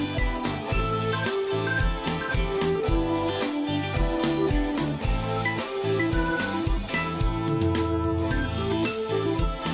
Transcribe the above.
สวัสดีครับ